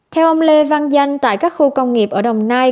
theo ông lê văn danh tại các khu công nghiệp ở đồng nai